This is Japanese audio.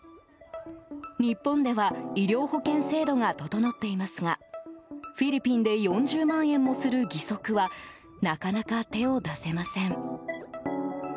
日本では医療保険制度が整っていますがフィリピンで４０万円もする義足はなかなか手を出せません。